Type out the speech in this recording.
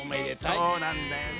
そうなんだよね。